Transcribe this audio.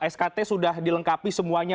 skt sudah dilengkapi semuanya